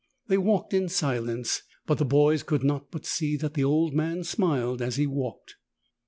They walked in silence, but the boys could not but see that the old man smiled as he walked.